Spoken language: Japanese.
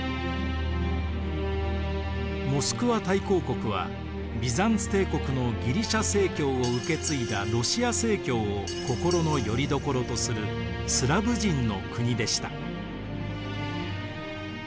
モスクワ大公国はビザンツ帝国のギリシア正教を受け継いだロシア正教を心のよりどころとするスラヴ人の国でした。